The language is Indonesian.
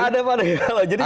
nggak ada panik